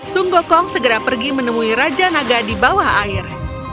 sung gokong segera pergi menemui raja naga di bawah air